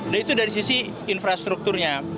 nah itu dari sisi infrastrukturnya